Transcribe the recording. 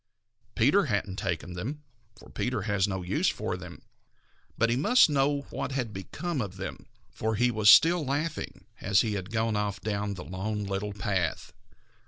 Peter hadn't taken them, for Peter has no use for them, but he must know what had become of them, for he was still laughing as he had gone off down the Lone Little Path.